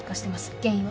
原因は？